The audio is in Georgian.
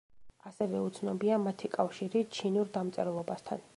ასევე უცნობია მათი კავშირი ჩინურ დამწერლობასთან.